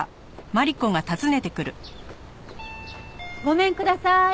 ごめんください。